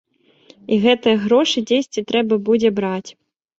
І гэтыя грошы дзесьці трэба будзе браць.